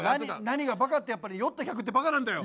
何がバカってやっぱり酔った客ってバカなんだよ。